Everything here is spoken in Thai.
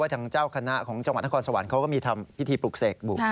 ทางเจ้าคณะของจังหวัดนครสวรรค์เขาก็มีทำพิธีปลุกเสกบุก